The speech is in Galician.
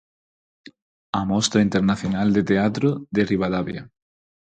A Mostra Internacional de Teatro de Ribadavia.